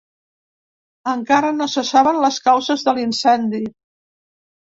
Encara no se saben les causes de l’incendi.